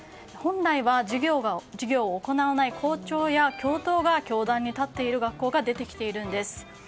本来は、授業を行わない校長や教頭が教壇に立っている学校が出てきているんです。